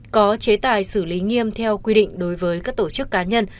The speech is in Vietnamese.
có chế tài xử lý nghiêm theo quy định đối với các tổ chức cá nhân